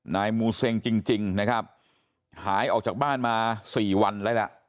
นายมูเซ็งจริงนะครับหายออกจากบ้านมาสี่วันแล้วล่ะ